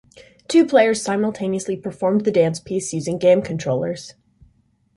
Two players simultaneously performed the dance piece using game controllers.